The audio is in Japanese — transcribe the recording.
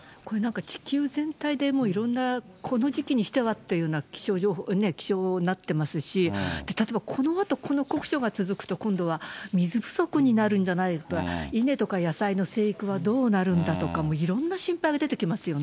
地球全体で、もういろんな、この時期にしてはというような気象になってますし、例えばこのあと、この酷暑が続くと、今度は水不足になるんじゃないか、稲とか野菜の生育はどうなるんだとか、いろんな心配が出てきます